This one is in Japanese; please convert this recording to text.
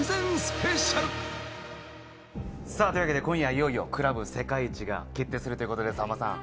今夜、いよいよクラブ世界一が決定するということです。